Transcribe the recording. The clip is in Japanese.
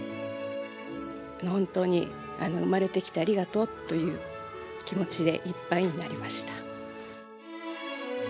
本当に生まれてきてありがとうという気持ちでいっぱいになりました。